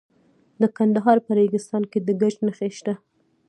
د کندهار په ریګستان کې د ګچ نښې شته.